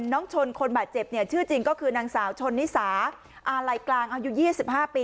น้องชนคนบาดเจ็บเนี่ยชื่อจริงก็คือนางสาวชนนิสาอาลัยกลางอายุ๒๕ปี